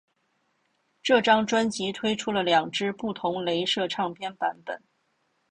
这张专辑推出了两只不同雷射唱片版本。